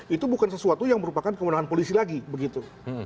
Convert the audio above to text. itu bukan sesuatu yang merupakan kemenangan polisi lagi begitu